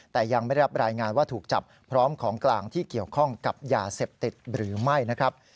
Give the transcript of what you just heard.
แต่ยังไม่ได้รับรายงานว่าถูกจับพร้อมของกลางที่เกี่ยวข้องกับยาเสพติดหรือไม่นะครับ